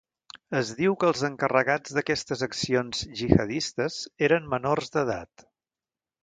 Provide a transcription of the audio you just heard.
Es diu que els encarregats d'aquestes accions gihadistes eren menors d'edat.